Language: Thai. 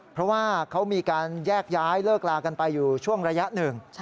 เพราะว่าเขามีการแยกย้ายเลิกลากันไปอยู่ช่วงระยะหนึ่ง